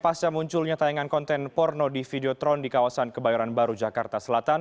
pasca munculnya tayangan konten porno di videotron di kawasan kebayoran baru jakarta selatan